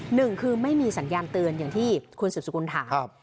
หนึ่งคือไม่มีสัญญาณเตือนอย่างที่คุณสืบสกุลถาม